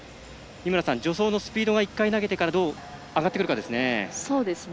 助走のスピードが１回投げてから上がってくるかですね。